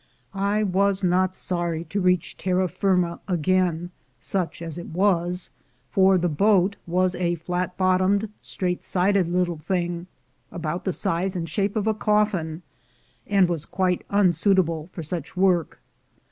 I was not sorry to reach terra firma again, such as it was, for the boat was a flat bottomed, straight sided little thing, about the size and shape of a cofiin, and was quite unsuitable for such work.